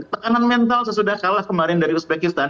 tekanan mental sesudah kalah kemarin dari uzbekistan